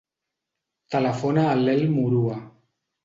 Telefona a l'Elm Murua.